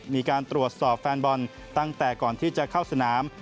มีการตรวจสอบแฟนบอลตั้งแต่ก่อนที่จะเข้าสนาม